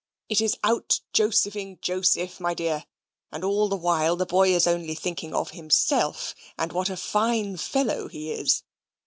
It is out Josephing Joseph, my dear, and all the while the boy is only thinking of himself, and what a fine fellow he is.